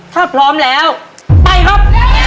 ถ้าพร้อมแล้วไปครับ